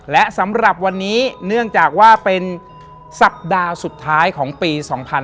และสำหรับวันนี้เนื่องจากว่าเป็นสัปดาห์สุดท้ายของปี๒๕๕๙